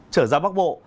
trở ra bắc bộ